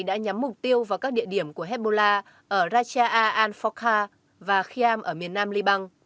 đã nhắm mục tiêu vào các địa điểm của hezbollah ở raja a al fokha và khiam ở miền nam liban